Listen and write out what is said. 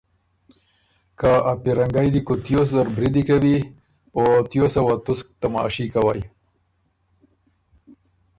که ا پیرنګئ دی کوتیوس زر بریدی کوی او تیوسه وې تسک تماشه کوئ